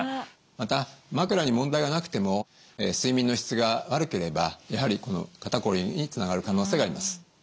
また枕に問題がなくても睡眠の質が悪ければやはりこの肩こりにつながる可能性があります。